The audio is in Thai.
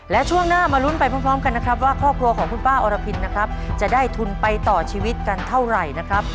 และช่วงหน้ามาลุ้นไปพร้อมกันนะครับว่าครอบครัวของคุณป้าอรพินนะครับจะได้ทุนไปต่อชีวิตกันเท่าไหร่นะครับ